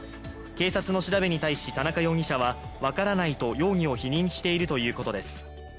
警察の調べに対し田中容疑者は分からないと容疑を否認しているということです。